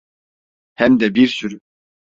Hem de bir sürü.